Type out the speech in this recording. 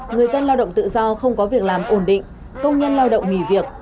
người dân lao động tự do không có việc làm ổn định công nhân lao động nghỉ việc